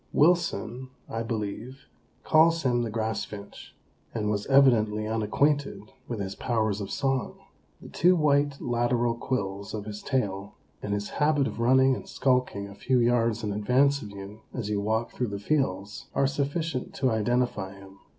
Wilson, I believe, calls him the Grass Finch, and was evidently unacquainted with his powers of song. The two white lateral quills of his tail, and his habit of running and skulking a few yards in advance of you as you walk through the fields, are sufficient to identify him.